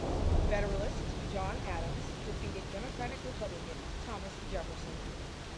Federalist John Adams defeated Democratic-Republican Thomas Jefferson.